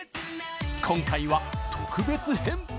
今回は特別編。